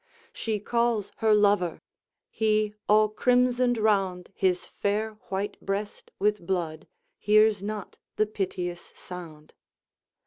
She calls her lover; he, all crimsoned round His fair white breast with blood, hears not the piteous sound.